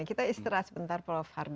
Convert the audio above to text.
kita istirahat sebentar pak fardy